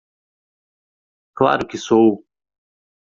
Claro que sou!